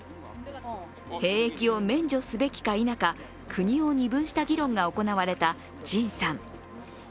兵役を免除すべきか否か国を二分した議論が行われたＪＩＮさん。